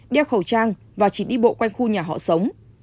đeo khẩu trang và chỉ đi bộ quanh khu nhà họ sống